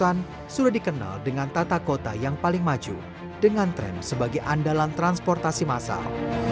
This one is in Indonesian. seribu sembilan ratus an sudah dikenal dengan tata kota yang paling maju dengan tren sebagai andalan transportasi masal